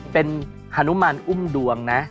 เป็นฮานุมานอุ้มดวงนะ